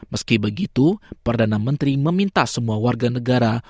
meski begitu perdana menteri meminta semua warga negara